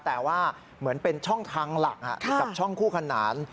แต่ว่าเหมือนเป็นช่องทางหลักกับช่องคู่ขนาน